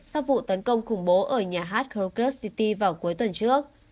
sau vụ tấn công khủng bố ở nhà hát krokus city vào cuối tuần trước